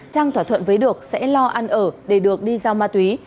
trang thỏa thuận với được sẽ lo ăn ở để được đi giao ma túy